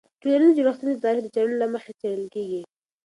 د ټولنیز جوړښتونه د تاریخ د څیړنو له مخې څیړل کېږي.